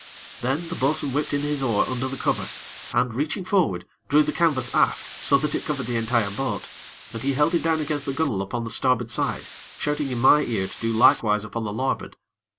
Then, the bo'sun whipped in his oar under the cover, and, reaching forward, drew the canvas aft, so that it covered the entire boat, and he held it down against the gunnel upon the starboard side, shouting in my ear to do likewise upon the larboard.